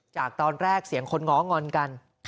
จากตอนแรกเสียงคนง้องอนกัน